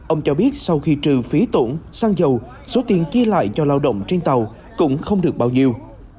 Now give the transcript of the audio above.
ông cho biết sau khi trừ phí tổn xăng dầu số tiền chia lại cho lao động trên tàu cũng không được bao nhiêu